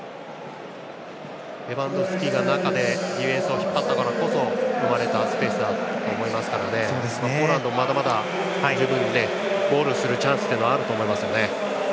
レバンドフスキが中でディフェンスを引っ張ったからこそ生まれたスペースだと思いますからポーランドもまだまだゴールするチャンスはあると思いますね。